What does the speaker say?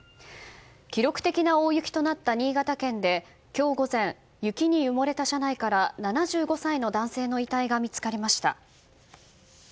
記録的な大雪となった新潟県で今日午前、雪に埋もれた車内から７５歳の男性の遺体が見つかりました。